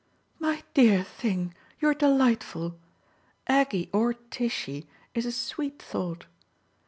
"My dear thing, you're delightful. Aggie OR Tishy is a sweet thought.